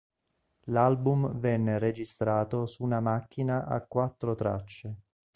L'album venne registrato su una macchina a quattro tracce.